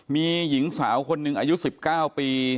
มีหญิงสาวคนหนึ่งอายุ๑๙ปี